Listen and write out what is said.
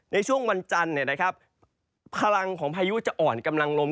ในช่วงวันจันทร์พลังของพายุจะอ่อนกำลังลง